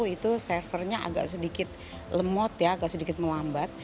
itu servernya agak sedikit lemot ya agak sedikit melambat